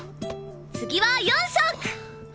次は４色！